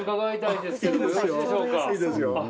いいですよ。